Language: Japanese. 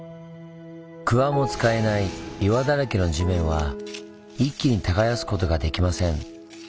クワも使えない岩だらけの地面は一気に耕すことができません。